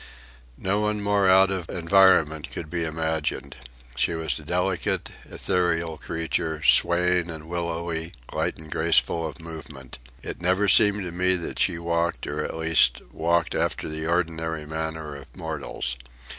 No one more out of environment could be imagined. She was a delicate, ethereal creature, swaying and willowy, light and graceful of movement. It never seemed to me that she walked, or, at least, walked after the ordinary manner of mortals.